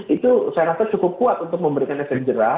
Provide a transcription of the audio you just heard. itu saya rasa cukup kuat untuk memberikan efek jerah